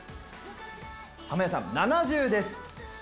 濱家さん「７０」です。